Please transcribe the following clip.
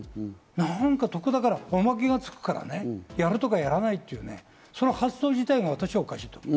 何か得だから、おまけがつくから、やるとかやらないっていうね、その発想自体が私はおかしいと思う。